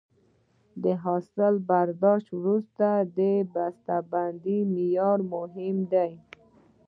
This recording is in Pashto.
د حاصل برداشت وروسته د بسته بندۍ معیار مهم دی.